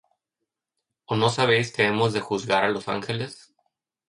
¿O no sabéis que hemos de juzgar á los angeles?